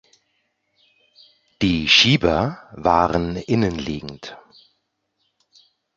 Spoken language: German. Die Schieber waren innenliegend.